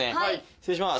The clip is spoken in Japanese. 失礼します。